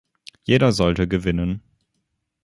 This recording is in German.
Jeder sollte gewinnen.